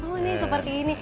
oh ini seperti ini